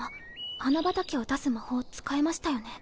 花畑を出す魔法使えましたよね。